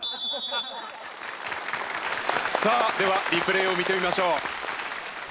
さあではリプレイを見てみましょう。